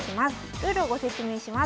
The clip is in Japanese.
ルールをご説明します。